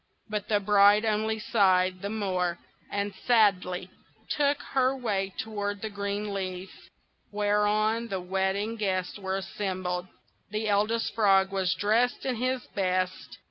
But the bride only sighed the more, and sadly took her way toward the great leaf, whereon the wedding guests were assembled. The Eldest Frog was dressed in his best.